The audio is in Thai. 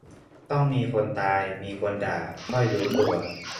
ต้องมีคนตาย มีคนด่า ค่อยรู้ตัว